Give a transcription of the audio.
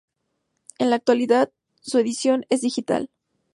En la actualidad, su edición es digital.